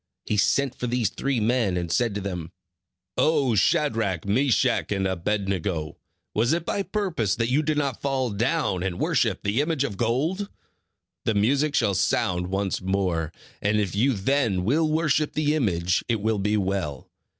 He sent for these three men and said to them: "O Shadrach, Meshach, and Abed nego, was it by purpose that you did not fall down and worship the image of gold? The music shall sound once more, and if you then will worship the image, it will be well.